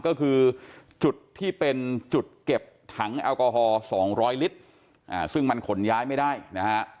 ก็คือจุดที่เป็นจุดเก็บถังแอลกอฮอล๒๐๐ลิตรซึ่งมันขนย้ายไม่ได้นะฮะ